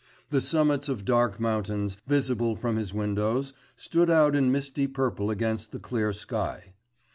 The summits of dark mountains visible from his windows stood out in misty purple against the clear sky.